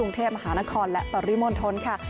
กรุงเทพมหานครและปริมณฑลค่ะ